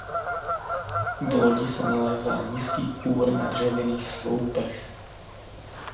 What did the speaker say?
V lodi se nalézá nízký kůr na dřevěných sloupech.